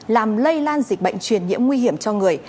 làm lây lan dịch bệnh truyền nhiễm nguy hiểm cho người